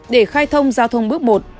để khai thông giao thông bước một